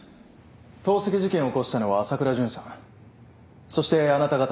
投石事件を起こしたのは朝倉純さんそしてあなた方ですね。